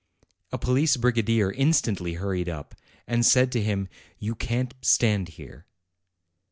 A police brigadier instantly hurried up and said to him, "You can't stand here."